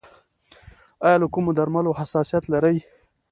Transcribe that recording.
ایا له کومو درملو حساسیت لرئ؟